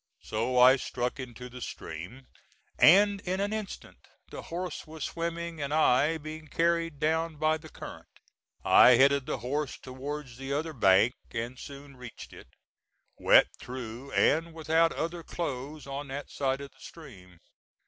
So I struck into the stream, and in an instant the horse was swimming and I being carried down by the current. I headed the horse towards the other bank and soon reached it, wet through and without other clothes on that side of the stream.